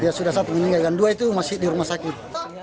dia sudah satu meninggal dan dua itu masih di rumah sakit